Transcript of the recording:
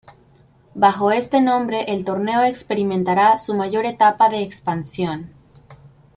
Bajo este nombre el torneo experimentará su mayor etapa de expansión.